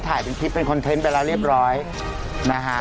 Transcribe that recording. ถ่ายเป็นคลิปเป็นคอนเทนต์ไปแล้วเรียบร้อยนะฮะ